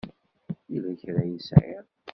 Yella kra ay sɛiɣ?